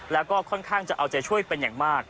แล้วก็ค่อนข้างจะเอาใจช่วยเป็นอย่างมาก